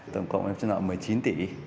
tổng cộng em trả nợ một mươi chín tỷ